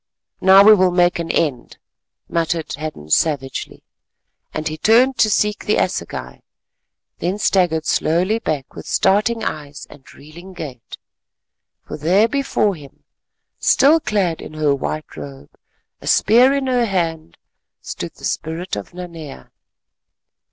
"Now we will make an end," muttered Hadden savagely, and he turned to seek the assegai, then staggered slowly back with starting eyes and reeling gait. For there before him, still clad in her white robe, a spear in her hand, stood the spirit of Nanea!